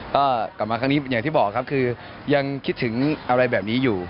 ก็กลับมาครั้งนี้อย่างที่บอกครับคือยังคิดถึงอะไรแบบนี้อยู่